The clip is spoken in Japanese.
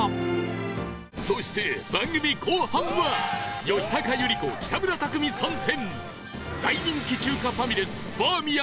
そして番組後半は吉高由里子北村匠海参戦！